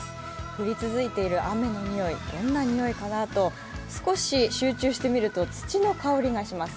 降り続いている雨のにおい、どんなにおいかなと少し集中してみると土の香りがします。